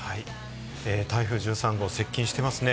台風１３号、接近してますね。